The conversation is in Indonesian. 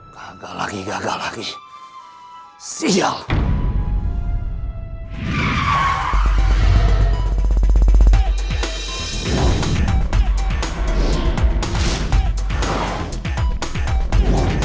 pak rafiq kau sesungguh